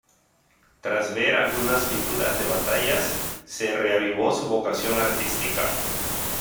Tras ver algunas pinturas de batallas se reavivó su vocación artística.